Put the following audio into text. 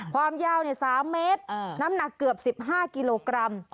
ความยาว๓เมตรน้ำหนักเกือบ๑๕กิโลกรัม